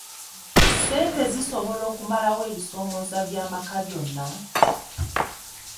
Ssente zisobola okumalawo ebisoomooza by'amaka byonna?